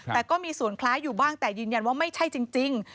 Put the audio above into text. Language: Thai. แต่ก็มีส่วนคล้ายอยู่บ้างแต่ยืนยันว่าไม่ใช่จริง